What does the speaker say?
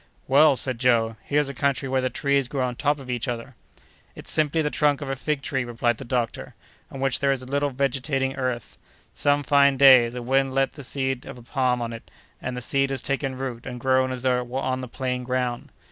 "Well!" said Joe, "here's a country where the trees grow on top of each other." "It's simply the trunk of a fig tree," replied the doctor, "on which there is a little vegetating earth. Some fine day, the wind left the seed of a palm on it, and the seed has taken root and grown as though it were on the plain ground."